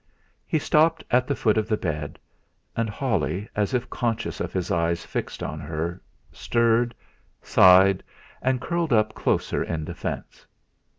He stopped at the foot of the bed; and Holly, as if conscious of his eyes fixed on her, stirred, sighed, and curled up closer in defence.